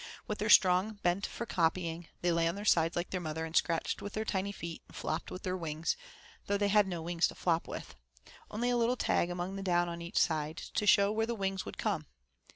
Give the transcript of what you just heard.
With their strong bent for copying, they lay on their sides like their mother and scratched with their tiny feet and flopped with their wings, though they had no wings to flop with, only a little tag among the down on each side, to show where the wings would come.